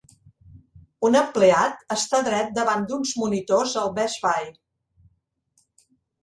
Un empleat està dret davant d'uns monitors al Best Buy.